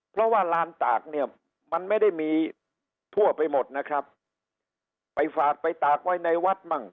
เพราะว่าลานตากเนี่ยมันไม่ได้มีทั่วไปหมดนะครับไปฝากไปตากไว้ในวัดมั่ง